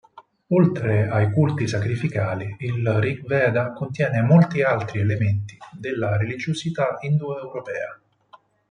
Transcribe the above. Oltre ai culti sacrificali, il "Ṛgveda" contiene molti altri elementi della religiosità indoeuropea.